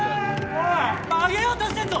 おい曲げようとしてんぞ。